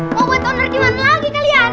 mau buat honor gimana lagi kalian